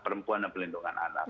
perempuan dan pelindungan anak